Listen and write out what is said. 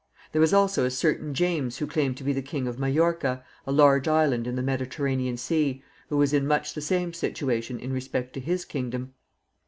There was also a certain James who claimed to be the King of Majorca, a large island in the Mediterranean Sea, who was in much the same situation in respect to his kingdom.